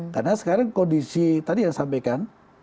karena sekarang kondisi tadi yang saya sampaikan